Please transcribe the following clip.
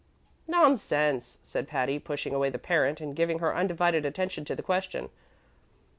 "Nonsense," said Patty, pushing away the Parent and giving her undivided attention to the question.